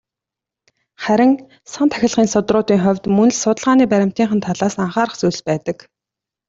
Харин "сан тахилгын судруудын" хувьд мөн л судалгааны баримтынх нь талаас анхаарах зүйлс байдаг.